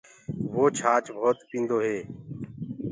وو ڇآچ ڀوت پيٚندو هي۔